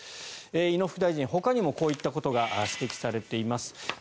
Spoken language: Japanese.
井野副大臣ほかにもこういったことが指摘されています。